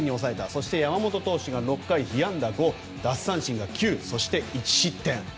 そして山本投手が６回被安打５奪三振が９、そして１失点。